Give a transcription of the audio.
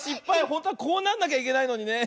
ほんとはこうなんなきゃいけないのにね。